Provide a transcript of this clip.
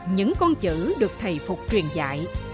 những con chữ được thầy phục truyền dạy